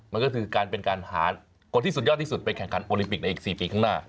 มันก็คือการเป็นการหาคนที่สุดยอดที่สุดไปแข่งขันโอลิมปิกในอีก๔ปีข้างหน้า